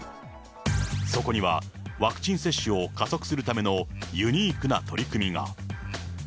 そこには、ワクチン接種を加速するためのユニークな取り組みが。